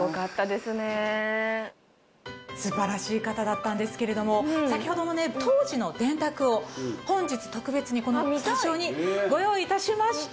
すばらしい方だったんですけれども先ほどのね当時の電卓を本日特別にこのスタジオにご用意いたしました。